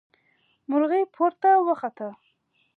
مرغۍ پورته وخته.